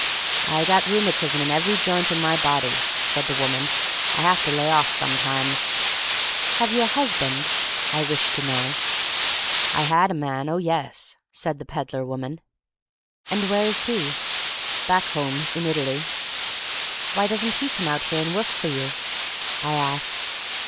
"I got rheumatism in every joint in my body," said the woman. "I have to lay off, sometime." "Have you a husband?" I wished to know. "I had a man — oh, yes," said the ped dler woman. 306 THE STORY OF MARY MAC LANE And where is he?" Back home — in Italy." "Why doesn't he come out here and work for you?" I asked.